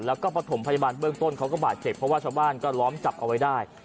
แล้วก็ประถมพยาบาลเบื้องต้นเขาก็บาดเจ็บเพราะว่าชาวบ้านก็ล้อมจับเอาไว้ได้